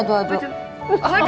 aduh aduh aduh